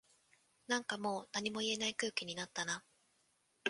なんかもう何も言えない空気になったな